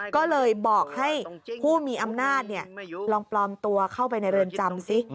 ก็เลยบอกให้ผู้มีอำนาจลองปลอมตัวเข้าไปในเรือนจำซิ